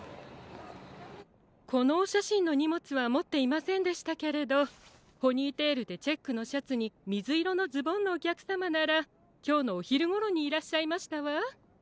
このおしゃしんのにもつはもっていませんでしたけれどポニーテールでチェックのシャツにみずいろのズボンのおきゃくさまならきょうのおひるごろにいらっしゃいましたわ。